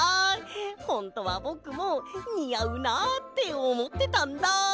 ほんとはぼくもにあうなあっておもってたんだ！